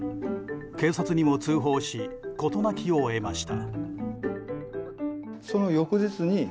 警察にも通報し事なきを得ました。